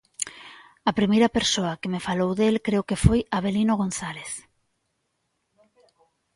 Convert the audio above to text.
A primeira persoa que me falou del creo que foi Avelino González.